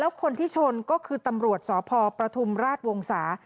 แล้วคนที่ชนก็คือตำรวจสพพระทุมราชวงศาสตร์